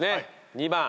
２番。